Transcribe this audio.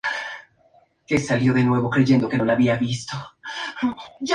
Fue oficial de la Milicia Nacional y seguidor de Baldomero Espartero.